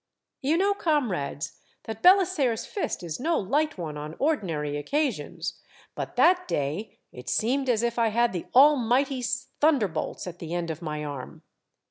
You know, comrades, that Belisaire's fist is no light one on ordinary occasions, but that day it seemed as if I had the Almighty's thunder bolts at the end of my arm.